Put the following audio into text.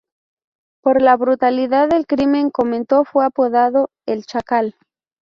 Por la brutalidad del crimen cometido fue apodado "El Chacal".